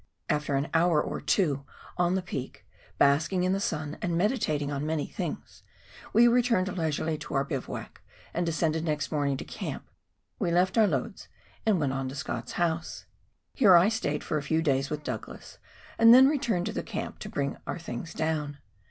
After an hour or two on the peak basking in the sun and meditating on many things, we returned leisurely to our bivouac ; and descending next morning to camp, we left our loads and went on to Scott's house. Here I stayed a few days with Douglas, and then returned to the camp to bring our things down.